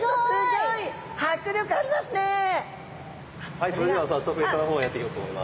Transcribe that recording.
はいそれでは早速餌の方をやっていこうと思います。